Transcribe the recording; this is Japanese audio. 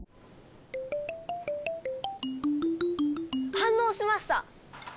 反応しました！